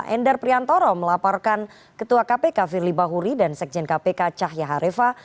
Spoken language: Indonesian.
endar priantoro melaporkan ketua kpk firly bahuri dan sekjen kpk cahya harefa